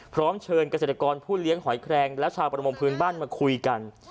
พร้อมเชิญเกษตรกรผู้เลี้ยงหอยแครงและชาวประมงพื้นบ้านมาคุยกัน